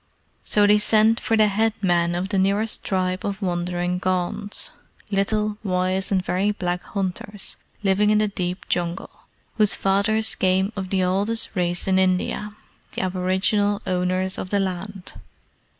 So they sent for the head man of the nearest tribe of wandering Gonds little, wise, and very black hunters, living in the deep Jungle, whose fathers came of the oldest race in India the aboriginal owners of the land.